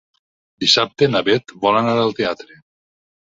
Dissabte na Beth vol anar al teatre.